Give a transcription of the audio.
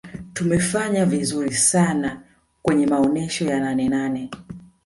tumefanya vizuri sana kwenye maonesho ya nanenane